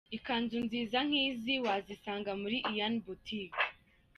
Ikanzu nziza nk'izi wazisanga muri Ian Boutique.